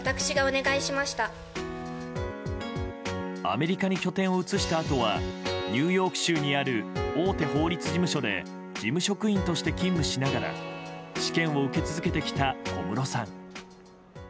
アメリカに拠点を移したあとはニューヨーク州にある大手法律事務所で事務職員として勤務しながら試験を受け続けてきた小室さん。